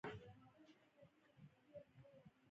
خو اوس په خدای چې بېخي تکړه جراح شوی یم، ماشاءالله.